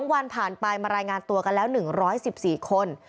วันผ่านไปมารายงานตัวกันแล้ว๑๑๔คน